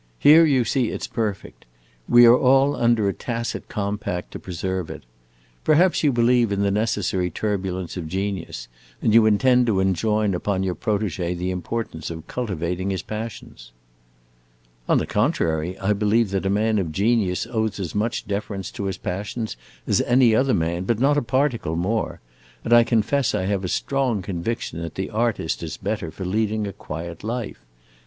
Here, you see, it 's perfect. We are all under a tacit compact to preserve it. Perhaps you believe in the necessary turbulence of genius, and you intend to enjoin upon your protege the importance of cultivating his passions." "On the contrary, I believe that a man of genius owes as much deference to his passions as any other man, but not a particle more, and I confess I have a strong conviction that the artist is better for leading a quiet life.